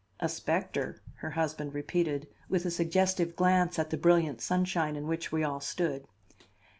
"A specter," her husband repeated with a suggestive glance at the brilliant sunshine in which we all stood.